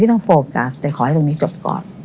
ต้องโฟมจ้ะแต่ขอให้ตรงนี้จบก่อน